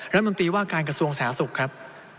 รัฐมนตรีว่าการกระทรวงสาธารณสุขครับ